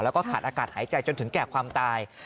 แล้วก็ขาดอากาศหายใจจนถึงแก่ความตาย